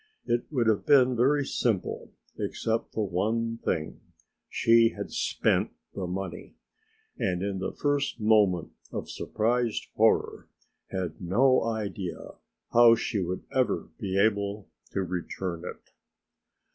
It would have been very simple except for one thing, she had spent the money, and in the first moment of surprised horror had no idea how she would ever be able to return it.